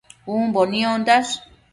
Umbo niondash